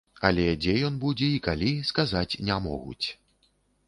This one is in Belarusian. Але дзе ён будзе і калі, сказаць не могуць.